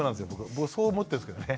僕はそう思ってるんですけどね。